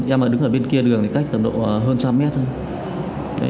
em đứng ở bên kia đường cách tầm độ hơn trăm mét thôi